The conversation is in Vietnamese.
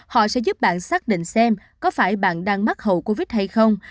họ sẽ giúp bạn xác định xem có phải bạn đang mắc hậu covid hay không